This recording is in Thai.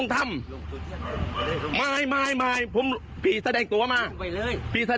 ที่หน้าออกเสื้อเมื่อกี้